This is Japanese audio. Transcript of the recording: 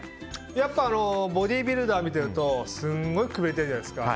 やっぱボディービルダー見てるとすごいくびれてるじゃないですか。